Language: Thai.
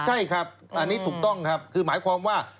ใช่ครับอันนี้ถูกต้องครับคือหมายความว่า